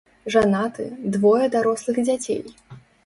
Жанаты, двое дарослых дзяцей.